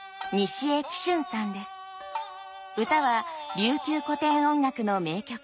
唄は琉球古典音楽の名曲